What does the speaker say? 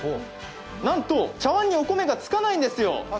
なんとお茶わんにお米がつかないんですよ。